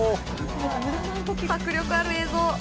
迫力ある映像。